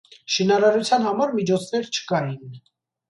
Շինարարության համար միջոցներ չկային։